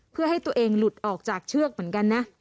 เพื่อให้ตัวเองหลุดออกจากเชือกเหมือนกันนะ